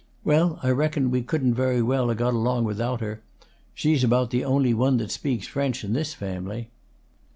Well, I reckon we couldn't very well 'a' got along without her. She's about the only one that speaks French in this family."